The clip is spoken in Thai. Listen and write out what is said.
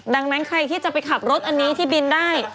ดังนั้นใครจะครับรถอันนี้ได้